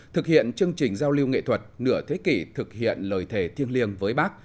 thực hiện chương trình giao lưu nghệ thuật nửa thế kỷ thực hiện lời thề thiêng liêng với bác